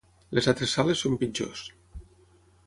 Les altres sales són pitjors.